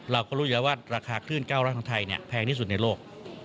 เราก็รู้อยู่แล้วว่าราคาคลื่น๙๐๐ของไทยแพงที่สุดในโลก